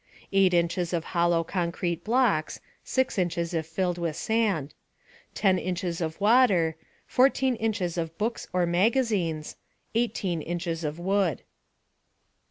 8 inches of hollow concrete blocks (6 inches if filled with sand). 10 inches of water. 14 inches of books or magazines. 18 inches of wood.